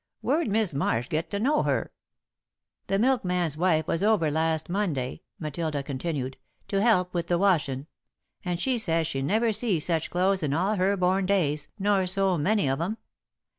Where'd Mis' Marsh get to know her?" "The milkman's wife was over last Monday," Matilda continued, "to help with the washin', and she says she never see such clothes in all her born days nor so many of 'em.